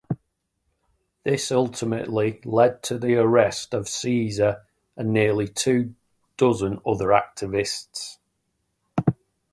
This ultimately led to the arrest of Casar and nearly two dozen other activists.